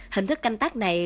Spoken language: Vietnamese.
hình thức canh tác này